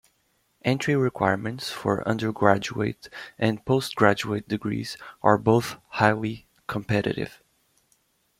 Entry requirements for undergraduate and postgraduate degrees are both highly competitive.